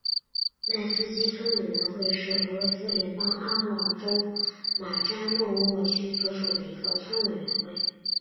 迈斯基村委员会是俄罗斯联邦阿穆尔州马扎诺沃区所属的一个村委员会。